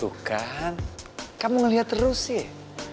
tuh kan kamu lihat terus sih